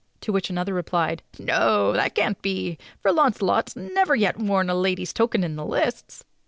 To which another replied: "No, that cannot be, for Launcelot never yet has worn a lady's token in the lists."